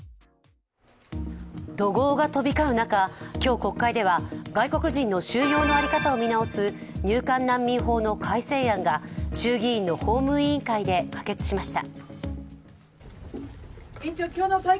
怒号が飛び交う中、今日、国会では外国人の収容の在り方を見直す入管難民法の改正案が衆議院の法務委員会で可決しました。